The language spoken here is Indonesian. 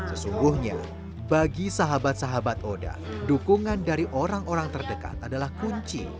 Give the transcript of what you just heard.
sesungguhnya bagi sahabat sahabat oda dukungan dari orang orang terdekat adalah kunci